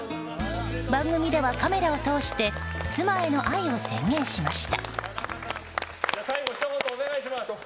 番組ではカメラを通して妻への愛を宣言しました。